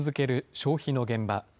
消費の現場。